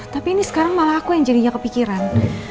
tapi ini sekarang malah aku yang jadinya kepikiran